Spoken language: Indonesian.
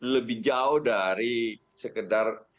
lebih jauh dari sekedar